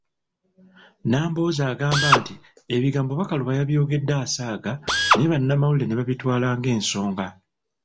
Nambooze agamba nti ebigambo Bakaluba yabyogedde asaaga naye bannamawulire ne babitwala ng'ensonga.